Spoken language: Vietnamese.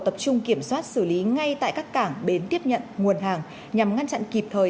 tập trung kiểm soát xử lý ngay tại các cảng bến tiếp nhận nguồn hàng nhằm ngăn chặn kịp thời